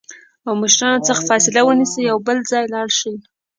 او مشرانو څخه فاصله ونیسي او بل ځای لاړ شي